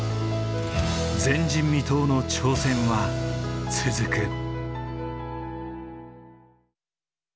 前人未到の挑戦は続く。